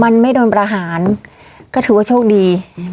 มันไม่โดนประหารก็ถือว่าโชคดี